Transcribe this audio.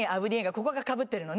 ここがかぶってるのね。